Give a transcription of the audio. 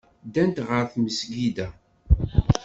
Ddant ɣer tmesgida.